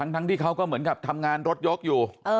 ทั้งที่เขาก็เหมือนกับทำงานรถยกอยู่